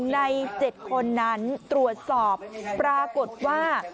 ใน๗คนนั้นตรวจสอบปรากฏว่า